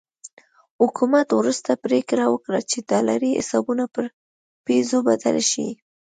حکومت وروسته پرېکړه وکړه چې ډالري حسابونه پر پیزو بدل شي.